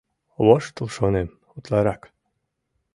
«Воштыл, — шонем, — утларак.